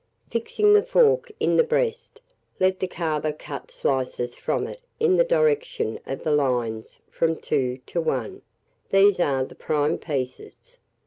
Fixing the fork in the breast, let the carver cut slices from it in the direction of the lines from 2 to 1: these are the prime pieces.